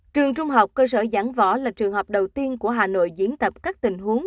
trường trung học cơ sở giảng võ là trường hợp đầu tiên của hà nội diễn tập các tình huống